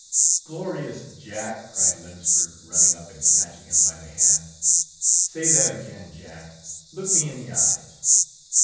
"Glorious Jack!" cried Lemsford, running up and snatching him by the hand, "say that again, Jack! look me in the eyes.